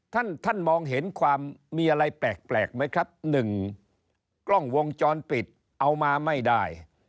ท่านท่านมองเห็นความมีอะไรแปลกไหมครับหนึ่งกล้องวงจรปิดเอามาไม่ได้